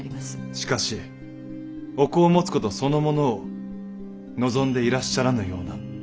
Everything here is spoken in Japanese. しかしお子を持つことそのものを望んでいらっしゃらぬような。